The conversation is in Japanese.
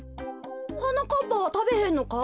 はなかっぱはたべへんのか？